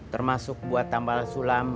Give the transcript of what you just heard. termasuk buat tambal sulam